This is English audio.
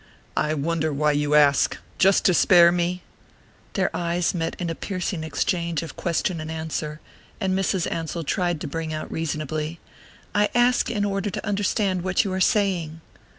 "I wonder why you ask just to spare me?" Their eyes met in a piercing exchange of question and answer, and Mrs. Ansell tried to bring out reasonably: "I ask in order to understand what you are saying."